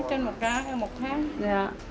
trên một tháng